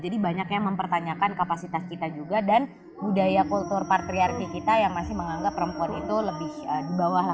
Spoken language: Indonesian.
jadi banyak yang mempertanyakan kapasitas kita juga dan budaya kultur patriarki kita yang masih menganggap perempuan itu lebih di bawah lah